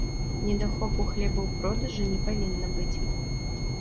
Недахопу хлеба ў продажы не павінна быць.